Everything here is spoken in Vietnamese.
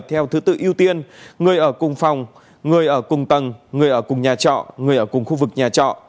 theo thứ tự ưu tiên người ở cùng phòng người ở cùng tầng người ở cùng nhà trọ người ở cùng khu vực nhà trọ